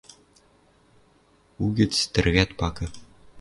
Угӹц тӹргӓт пакы.